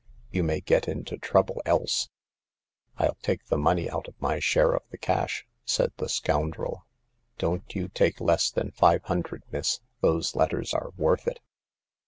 You may get into trouble else." rU take the money out of my share of the cash," said the scoundrel. " Don't you take less than five hundred, miss ; those letters are worth it."